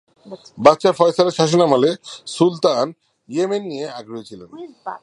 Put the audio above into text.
বাদশাহ ফয়সালের শাসনামলে সুলতান ইয়েমেন নিয়ে আগ্রহী ছিলেন।